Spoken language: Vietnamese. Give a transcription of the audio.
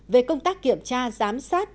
về công tác kiểm tra giám sát